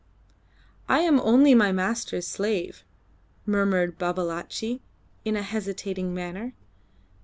"I am only my master's slave," murmured Babalatchi, in a hesitating manner.